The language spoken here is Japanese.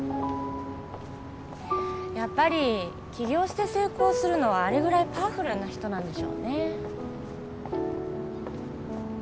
やっぱり起業して成功するのはあれぐらいパワフルな人なんでしょうね